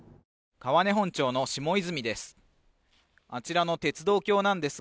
川根本町の下泉です。